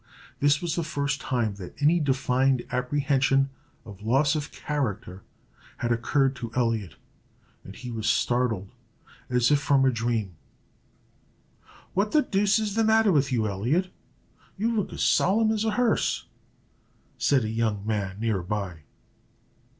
This was the first time that any defined apprehension of loss of character had occurred to Elliot, and he was startled as if from a dream. "What the deuse is the matter with you, Elliot? You look as solemn as a hearse!" said a young man near by.